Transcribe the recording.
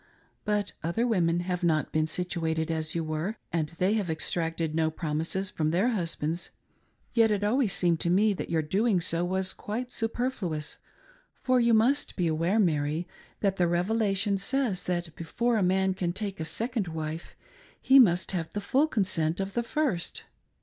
But other women have not been situated as you were, and they have exacted no promises from their husbands. Yet it always seemed to me that your doing so was quite superfluous, for you must be aware, Mary, that the Revelation says that before a man can take a second wife he must have the full consent of the first.